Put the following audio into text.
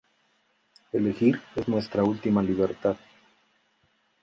Elegir es nuestra última libertad.